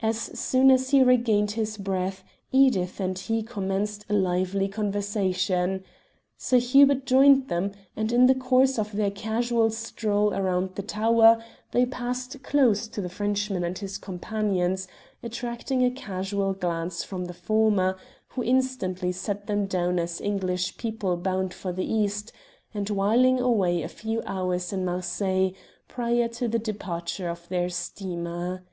As soon as he regained his breath, Edith and he commenced a lively conversation. Sir Hubert joined them, and in the course of their casual stroll round the tower they passed close to the Frenchman and his companions, attracting a casual glance from the former, who instantly set them down as English people bound for the East, and whiling away a few hours in Marseilles prior to the departure of their steamer.